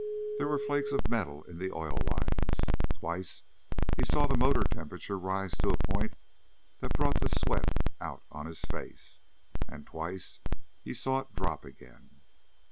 There were flakes of metal in the oil lines. Twice he saw the motor temperature rise to a point that brought the sweat out on his face. And twice he saw it drop again.